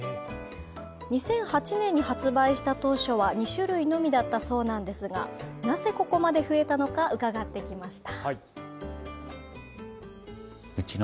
２００８年に発売した当初は２種類のみだったそうですが、なぜ、ここまで増えたのか伺ってきました。